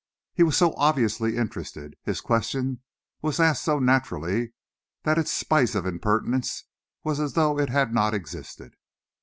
He was so obviously interested, his question was asked so naturally, that its spice of impertinence was as though it had not existed.